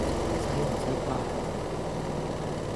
洗唔洗掛號？